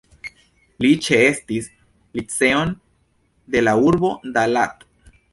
Li ĉeestis liceon en la urbo Da Lat.